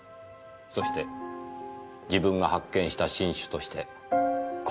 そして自分が発見した新種として公表した。